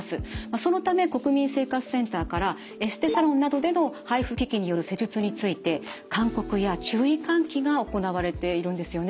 そのため国民生活センターからエステサロンなどでのＨＩＦＵ機器による施術について勧告や注意喚起が行われているんですよね